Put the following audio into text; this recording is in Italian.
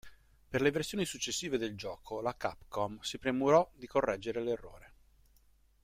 Per le versioni successive del gioco la Capcom si premurò di correggere l’errore.